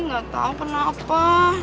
gak tau kenapa